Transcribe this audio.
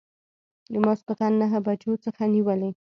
د ماخوستن نهه بجو څخه نیولې.